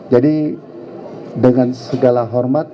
dengan segala hormat